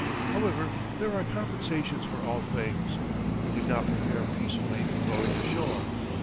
However, there are compensations for all things; we could now prepare peacefully for going ashore.